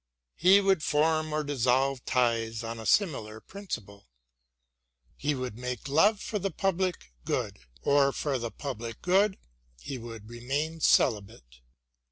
He would form or dissolve ties on a similar principle. He would make love for the public good, or for the public good he would remain celibate.